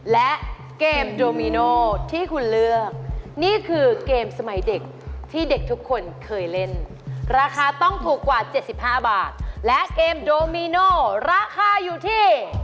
และเกมโดมิโน่ที่คุณเลือกนี่คือเกมสมัยเด็กที่เด็กทุกคนเคยเล่นราคาต้องถูกกว่า๗๕บาทและเกมโดมิโน่ราคาอยู่ที่